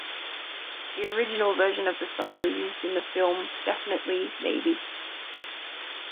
The original version of the song was used in the film, "Definitely, Maybe".